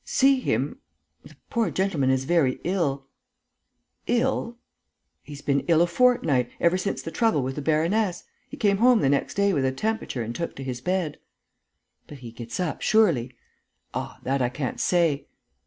"See him?... The poor gentleman is very ill." "Ill?" "He's been ill a fortnight ... ever since the trouble with the baroness.... He came home the next day with a temperature and took to his bed." "But he gets up, surely?" "Ah, that I can't say!"